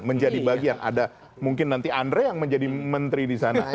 menjadi bagian ada mungkin nanti andre yang menjadi menteri di sana